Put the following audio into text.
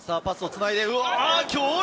パスをつないで、強烈！